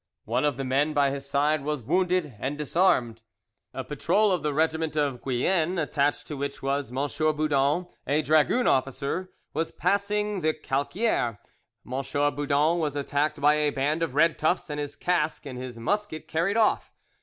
One of the men by his side was wounded and disarmed. A patrol of the regiment of Guienne, attached to which was M. Boudon, a dragoon officer, was passing the Calquieres. M. Boudon was attacked by a band of red tufts and his casque and his musket carried off.